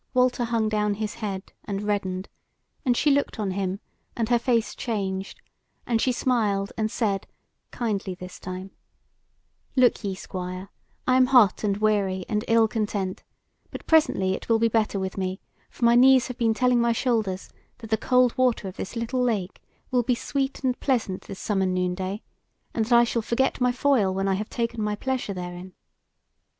Walter hung down his head and reddened, and she looked on him, and her face changed, and she smiled and said, kindly this time: "Look ye, Squire, I am hot and weary, and ill content; but presently it will be better with me; for my knees have been telling my shoulders that the cold water of this little lake will be sweet and pleasant this summer noonday, and that I shall forget my foil when I have taken my pleasure therein.